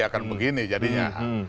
akan begini jadinya